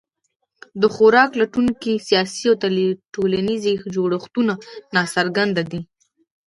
د خوراک لټونکو سیاسي او ټولنیز جوړښتونه ناڅرګند دي.